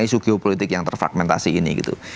isu geopolitik yang terfragmentasi ini gitu